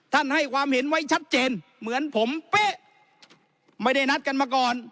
ให้ความเห็นไว้ชัดเจนเหมือนผมเป๊ะไม่ได้นัดกันมาก่อน